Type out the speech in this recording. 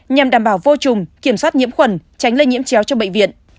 nhằm đảm bảo vô trùng kiểm soát nhiễm khuẩn tránh lây nhiễm chéo cho bệnh viện